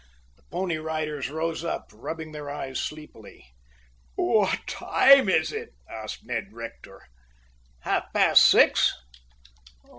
The Pony Riders rose up, rubbing their eyes sleepily. "What time is it?" asked Ned Rector. "Half past six."